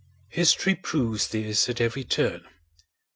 History proves this at every turn.